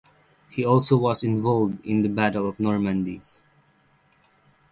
He also was involved in the Battle of Normandy.